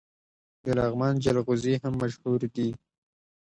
د لغمان جلغوزي هم مشهور دي.